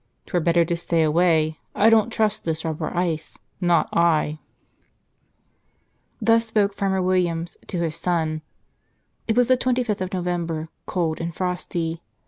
'Twere better to stay away. I don't trust this rubber ice, not I !" Thus spoke Farmer Williams to his son. It was the twenty fifth of November, cold and frosty.